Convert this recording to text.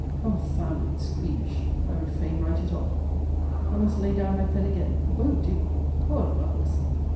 Confounded squeamish! I would fain write it off. But must lay down my pen again. It won't do. Poor Lovelace!